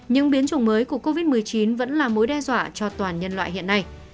những biến chủng mới của covid một mươi chín vẫn là mối đe dọa cho toàn nhân loại hiện nay